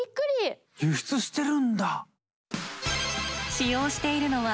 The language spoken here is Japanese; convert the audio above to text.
使用しているのは